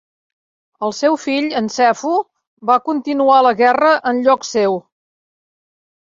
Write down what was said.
El seu fill, en Sefu, va continuar la guerra en lloc seu.